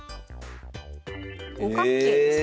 五角形ですね。